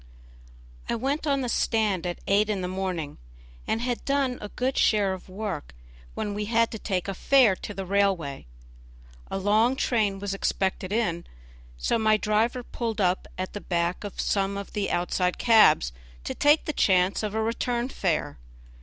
I went on the stand at eight in the morning, and had done a good share of work, when we had to take a fare to the railway. A long train was just expected in, so my driver pulled up at the back of some of the outside cabs to take the chance of a return fare.